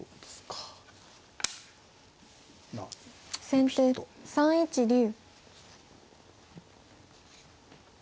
先手３一竜。